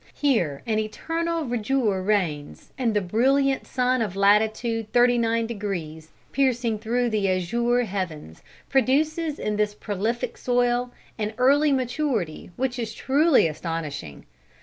Here an eternal verdure reigns, and the brilliant sun of latitude 39 degrees, piercing through the azure heavens, produces in this prolific soil an early maturity which is truly astonishing.